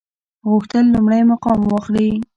غوښتل لومړی مقام واخلي.